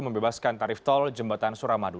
membebaskan tarif tol jembatan suramadu